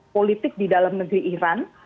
politik di dalam negeri iran